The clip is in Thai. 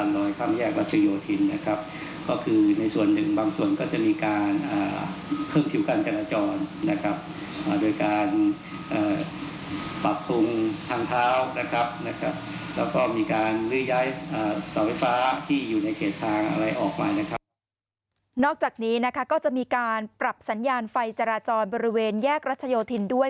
นอกจากนี้นะคะก็จะมีการปรับสัญญาณไฟจราจรบริเวณแยกรัชโยธินด้วย